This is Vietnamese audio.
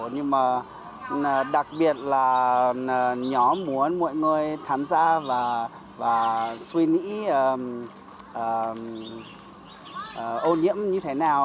nhưng mà đặc biệt là nhóm muốn mọi người tham gia và suy nghĩ ô nhiễm như thế nào